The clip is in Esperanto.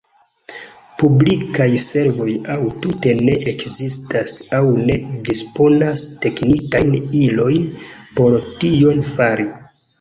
Publikaj servoj aŭ tute ne ekzistas aŭ ne disponas teknikajn ilojn por tion fari.